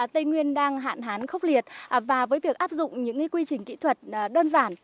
tây nguyên đang hạn hán khốc liệt và với việc áp dụng những quy trình kỹ thuật đơn giản